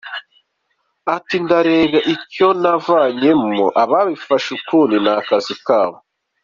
Ati “Ndareba icyo navanyemo, ababifashe ukundi ni akazi kabo.